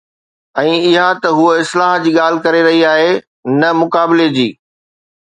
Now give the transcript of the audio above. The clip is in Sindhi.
۽ اها ته هوءَ اصلاح جي ڳالهه ڪري رهي آهي، نه مقابلي جي.